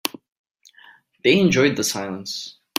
They enjoyed the silence.